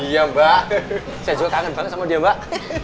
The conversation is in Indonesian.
iya mbak saya juga kangen banget sama dia mbak